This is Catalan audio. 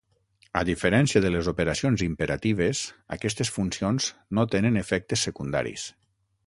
A diferència de les operacions imperatives, aquestes funcions no tenen efectes secundaris.